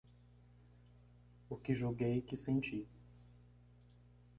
O que julguei que senti.